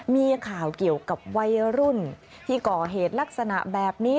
มีข่าวเกี่ยวกับวัยรุ่นที่ก่อเหตุลักษณะแบบนี้